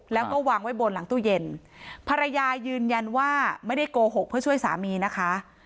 แล้วก็วางไว้บนหลังตู้เย็นภรรยายืนยันว่าไม่ได้โกหกเพื่อช่วยสามีนะคะ